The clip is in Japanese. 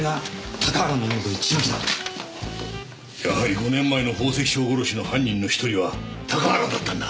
やはり５年前の宝石商殺しの犯人の１人は高原だったんだ！